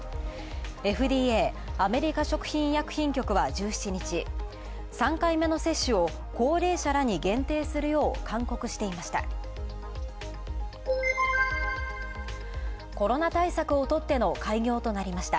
ＦＤＡ＝アメリカ食品医薬品局は１７日、３回目の接種を高齢者らに限定するよう勧告していました。